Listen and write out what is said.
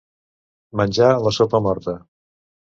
Menjar la sopa morta.